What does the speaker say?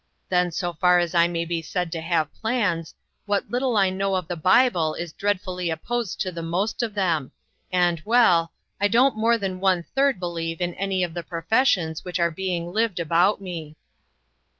Then so far as I may be said to have plans, what little I know of the Bible is dread fully opposed to the most of them, and, well, 1/2 INTERRUPTED. i don't more than one third believe in anj of the professions which are being lived about me."